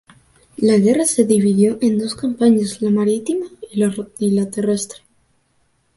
La guerra se dividió en dos campañas, la marítima y la terrestre.